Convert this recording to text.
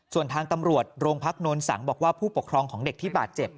ส่วนทางตำรวจโรงพักนวลสังบอกว่าผู้ปกครองของเด็กที่บาดเจ็บ